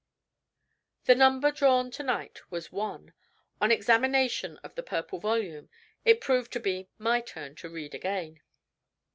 The number drawn to night was One. On examination of the Purple Volume, it proved to be my turn to read again.